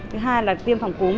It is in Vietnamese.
thứ hai là tiêm phòng cúm